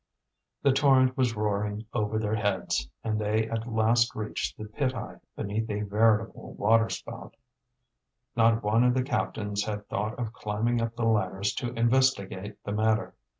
The torrent was roaring over their heads, and they at last reached the pit eye beneath a veritable waterspout. Not one of the captains had thought of climbing up the ladders to investigate the matter.